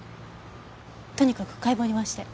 とにかく解剖に回して。